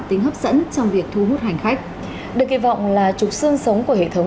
tính hấp dẫn trong việc thu hút hành khách được kỳ vọng là trục sương sống của hệ thống